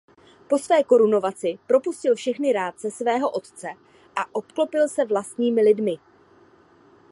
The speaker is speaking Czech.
Po své korunovaci propustil všechny rádce svého otce a obklopil se vlastními lidmi.